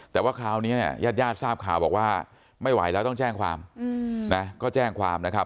แต่ว่าคราวนี้เนี่ยยาดทราบข่าวบอกว่าไม่ไหวแล้วต้องแจ้งความนะ